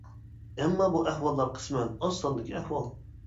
ئەمما بۇ ئەھۋاللار قىسمەن ئاز ساندىكى ئەھۋال.